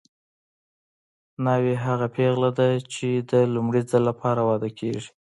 ناوې هغه پېغله ده چې د لومړي ځل لپاره واده کیږي